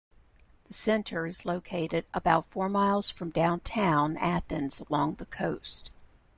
The center is located about four miles from downtown Athens along the coast.